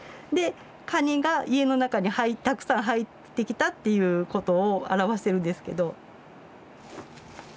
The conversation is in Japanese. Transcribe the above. でカニが家の中にたくさん入ってきたっていうことを表してるんですけど。